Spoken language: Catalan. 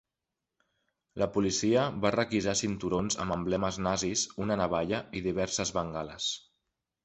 La policia va requisar cinturons amb emblemes nazis, una navalla i diverses bengales.